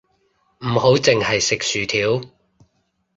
唔好淨係食薯條